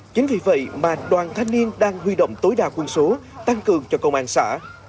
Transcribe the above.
chính vì vậy mà đoàn thanh niên đang huy động tối đa quân số tăng cường cho công an xã